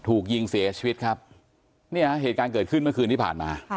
ถูกยิงเสียชีวิตครับเนี่ยเหตุการณ์เกิดขึ้นเมื่อคืนที่ผ่านมา